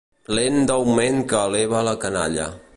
Lent d'augment que eleva la canalla.